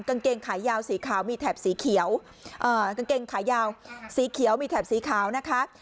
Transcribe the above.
กางเกงขายาวสีขาวมีแถบสีเขียวกางเกงขายาวสีเขียวมีแถบสีขาวนะคะ